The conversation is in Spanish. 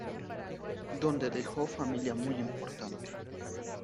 Donde dejó familia muy importante.